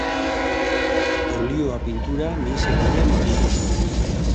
Olioa pintura mihise gainean margotu zuen.